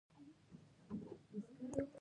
بزګان د افغانستان د زرغونتیا یوه نښه ده.